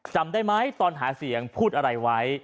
จำได้ไหมตอนหาเสียงพูดอะไรไว้